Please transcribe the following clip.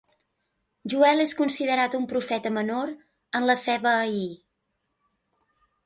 Joel és considerat un profeta menor en la fe bahaí.